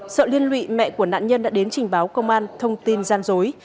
sợ liên lụy mẹ của nạn nhân đã đến trình báo công an thông tin gian dối